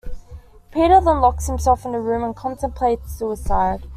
Peter then locks himself in a room and contemplates suicide.